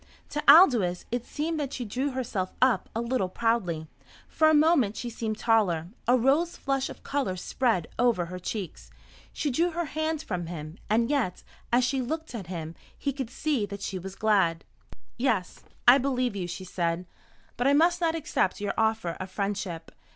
To Aldous it seemed that she drew herself up a little proudly. For a moment she seemed taller. A rose flush of colour spread over her cheeks. She drew her hand from him. And yet, as she looked at him, he could see that she was glad. "Yes, I believe you," she said. "But I must not accept your offer of friendship.